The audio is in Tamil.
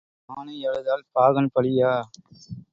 ஆனை அழுதால் பாகன் பழியா?